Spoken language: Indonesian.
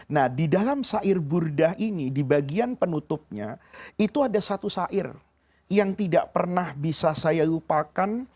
nah di dalam sair burdah ini di bagian penutupnya itu ada satu sair yang tidak pernah bisa saya lupakan